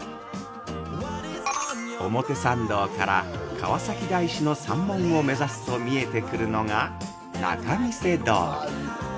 ◆表参道から川崎大師の山門を目指すと見えてくるのが仲見世通り。